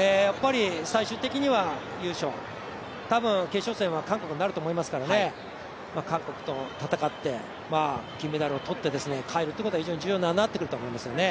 やっぱり、最終的には優勝、多分、決勝戦は韓国になると思いますから韓国と戦って、金メダルをとって帰るっていうことは非常に重要になってくると思いますね。